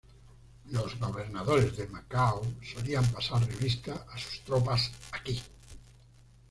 Los gobernadores de Macao solían pasar revista a sus tropas aquí.